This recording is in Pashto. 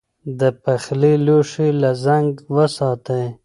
د پخلي لوښي له زنګ وساتئ.